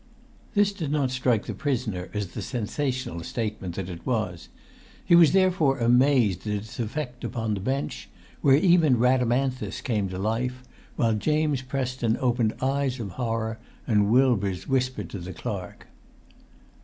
This did not strike the prisoner as the sensational statement that it was; he was therefore amazed at its effect upon the bench, where even Rhadamanthus came to life, while James Preston opened eyes of horror, and Wilders whispered to the clerk.